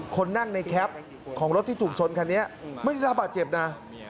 คนนั่งในแคปของรถที่ถูกชนคันนี้ไม่ได้รับบาดเจ็บนะ